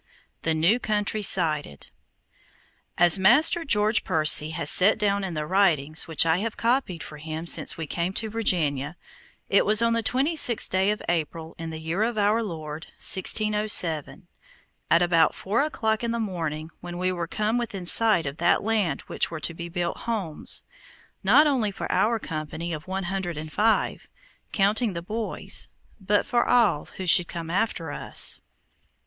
THE NEW COUNTRY SIGHTED As Master George Percy has set down in the writings which I have copied for him since we came to Virginia, it was on the twenty sixth day of April, in the year of our Lord 1607, at about four o'clock in the morning, when we were come within sight of that land where were to be built homes, not only for our company of one hundred and five, counting the boys, but for all who should come after us.